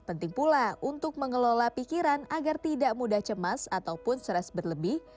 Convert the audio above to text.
penting pula untuk mengelola pikiran agar tidak mudah cemas ataupun stres berlebih